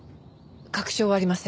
確証はありませんが。